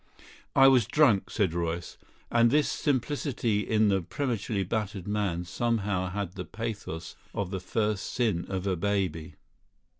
"I was drunk," said Royce; and this simplicity in the prematurely battered man somehow had the pathos of the first sin of a baby.